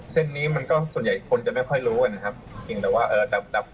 เส้นนี้มันก็ส่วนใหญ่คนจะไม่ค่อยรู้นะครับ